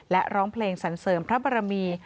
และร้องเพลงสรรเสริมพระบรมี